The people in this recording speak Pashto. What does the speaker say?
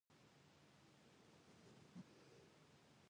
ښوونځی تللې نجونې د اعتماد وړ مشورې ورکوي.